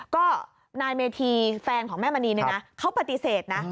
ก็นายเมธีแฟนของแม่มณีเนี่ยนะเขาปฏิเสธนะ